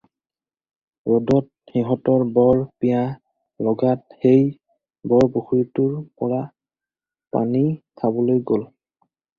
ৰ'দত সিহঁতৰ বৰ পিয়াহ লগাত সেই বৰ-পুখুৰীটোৰ পৰা পানী খাবলৈ গ'ল।